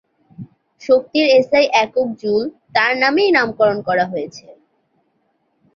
শক্তির এসআই একক জুল তার নামেই নামকরণ করা হয়েছে।